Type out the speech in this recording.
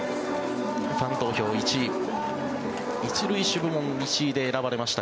ファン投票１位１塁手部門１位で選ばれました